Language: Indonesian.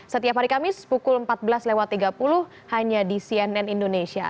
setiap hari kamis pukul empat belas tiga puluh hanya di cnn indonesia